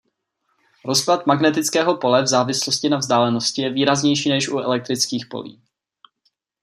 Rozklad magnetického pole v závislosti na vzdálenosti je výraznější než u elektrických polí.